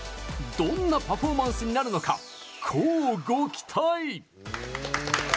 どんなパフォーマンスになるのか乞うご期待！